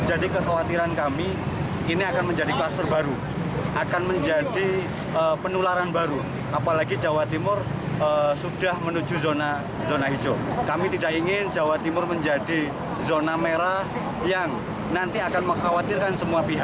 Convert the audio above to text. adalah sebuah perang yang akan mengkhawatirkan semua pihak